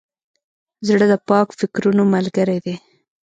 زړه د پاک فکرونو ملګری دی.